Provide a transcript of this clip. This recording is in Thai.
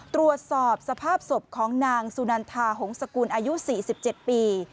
ตรวจสอบสภาพศพของนางสุนันทาหงษกุลอายุ๔๗ปี